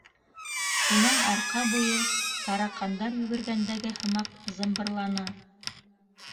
Уның арҡа буйы тараҡандар йүгергәндәге һымаҡ зымбырланы.